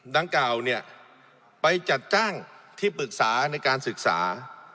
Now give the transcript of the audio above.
ดังกล่าวเนี่ยไปจัดจ้างที่ปรึกษาในการศึกษา